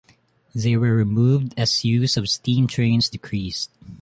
They were removed as use of steam trains decreased.